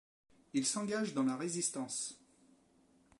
Il s'engage dans la Résistance.